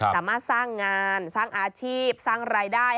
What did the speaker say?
สามารถสร้างงานสร้างอาชีพสร้างรายได้